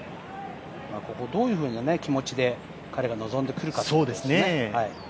ここをどういうふうな気持ちで彼が臨んでくるかどうかですよね。